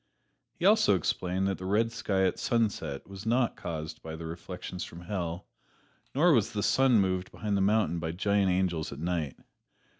He also explained that the red sky at sunset was not caused by the reflections from Hell, nor was the sun moved behind a mountain by giant angels at night.